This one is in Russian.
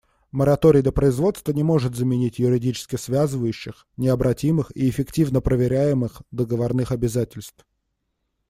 Мораторий на производство не может заменить юридически связывающих, необратимых и эффективно проверяемых договорных обязательств.